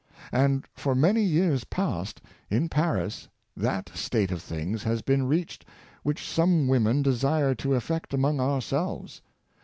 And for many years past, in Paris, that state of things has been reached which some women desire to effect arnong our selves.